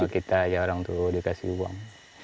kita orang itu dikasih uang